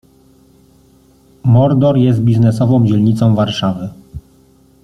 Mordor jest biznesową dzielnicą Warszawy.